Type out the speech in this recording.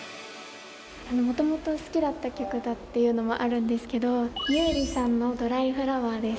もともと好きだった曲だっていうのもあるんですけど優里さんの『ドライフラワー』です。